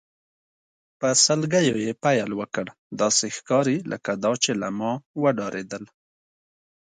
په سلګیو یې پیل وکړ، داسې ښکاري لکه دا چې له ما وډارېدل.